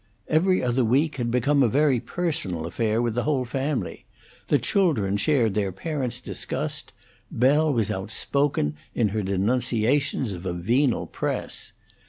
'Every Other Week' had become a very personal affair with the whole family; the children shared their parents' disgust; Belle was outspoken in, her denunciations of a venal press.